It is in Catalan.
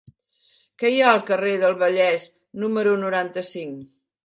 Què hi ha al carrer del Vallès número noranta-cinc?